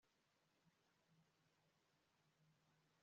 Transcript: imbuto zari zikwirakwijwe cyane